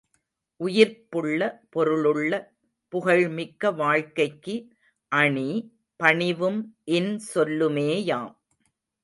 உயிர்ப்புள்ள, பொருளுள்ள, புகழ்மிக்க வாழ்க்கைக்கு அணி, பணிவும் இன்சொல்லுமேயாம்.